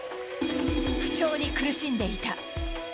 不調に苦しんでいた。